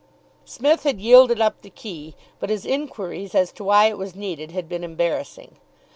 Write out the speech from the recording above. Psmith had yielded up the key, but his inquiries as to why it was needed had been embarrassing.